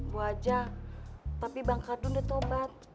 bu aja tapi bang kardun udah tobat